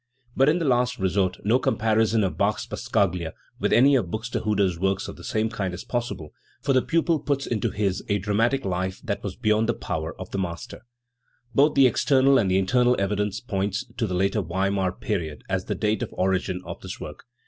But in the last resort no comparison of Bach's passacaglia with any of Buxtehude's works of the same kind is possible, for the pupil puts into his a dramatic life that was beyond the power of the master. Both the external and the internal evidence point to the later Weimar period as the date of origin of this work.